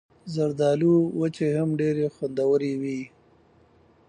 زردالو وچې هم ډېرې خوندورې وي.